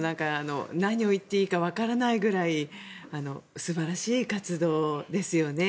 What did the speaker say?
何を言っていいかわからないぐらい素晴らしい活動ですよね。